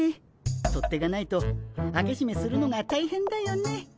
取っ手がないと開けしめするのが大変だよね。